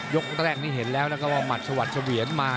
กแรกนี้เห็นแล้วนะครับว่าหมัดชวัดเฉวียนมา